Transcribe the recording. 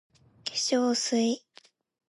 化粧水 ｓ